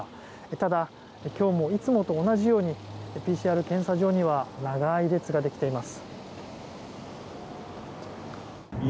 ただ、今日もいつもと同じようにＰＣＲ検査場には長い列ができています。